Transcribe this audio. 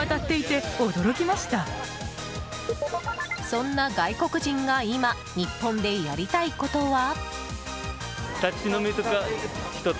そんな外国人が今、日本でやりたいことは？